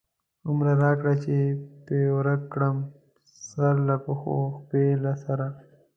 هومره راکړه چی پی ورک کړم، سر له پښو، پښی له سره